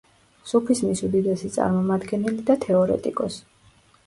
სუფიზმის უდიდესი წარმომადგენელი და თეორეტიკოსი.